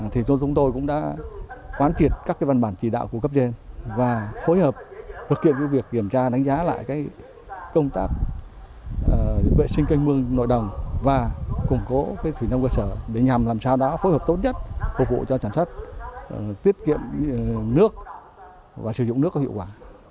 thì chúng tôi cũng đã quán triệt các văn bản chỉ đạo của cấp trên và phối hợp thực hiện việc kiểm tra đánh giá lại công tác vệ sinh canh mương nội đồng và củng cố thủy nông cơ sở để nhằm làm sao đó phối hợp tốt nhất phục vụ cho sản xuất tiết kiệm nước và sử dụng nước có hiệu quả